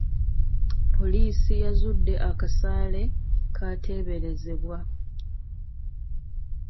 Poliisi yazudde akasaale k'ateberezebbwa.